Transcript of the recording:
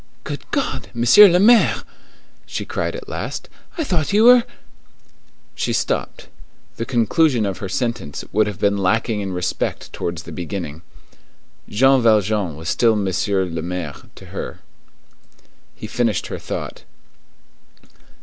"Good God, Monsieur le Maire," she cried at last, "I thought you were—" She stopped; the conclusion of her sentence would have been lacking in respect towards the beginning. Jean Valjean was still Monsieur le Maire to her. He finished her thought.